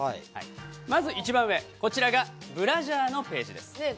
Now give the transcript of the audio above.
まず一番上、こちらがブラジャーのページです。